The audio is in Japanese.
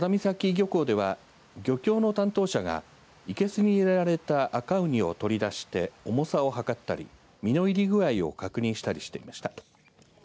漁港では漁協の担当者がいけすに入れられた赤ウニを取り出して重さを測ったり身の入り具合を確認したりしていました。